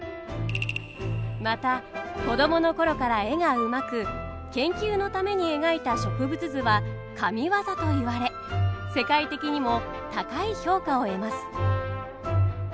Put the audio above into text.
また子供の頃から絵がうまく研究のために描いた植物図は神業と言われ世界的にも高い評価を得ます。